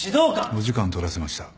お時間取らせました。